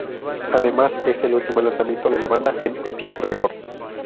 Además es el último lanzamiento de la banda en Epic Records.